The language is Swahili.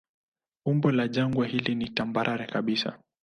Umbo la jangwa hili ni tambarare kabisa.